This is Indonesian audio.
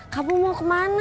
kamu mau kemana